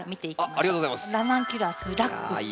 ラナンキュラス‘ラックス’。